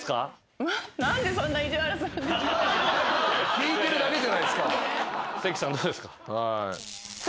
聞いてるだけじゃないっすか。